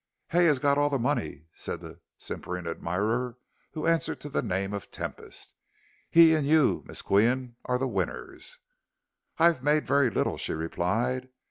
"Hay has got all the money," said the simpering admirer who answered to the name of Tempest. "He and you, Miss Qian, are the winners." "I've made very little," she replied.